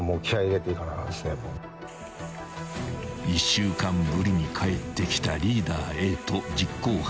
［１週間ぶりに帰ってきたリーダーＡと実行犯Ｂ］